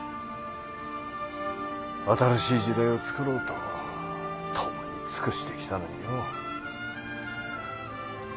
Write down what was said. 新しい時代をつくろうと共に尽くしてきたのによ。